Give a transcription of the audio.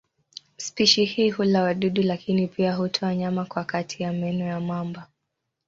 Spishi hii hula wadudu lakini pia hutoa nyama kwa kati ya meno ya mamba.